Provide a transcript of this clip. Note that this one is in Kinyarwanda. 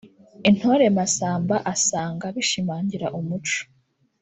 Intore Massamba asanga bishimangira umuco